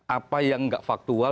apa yang gak faktual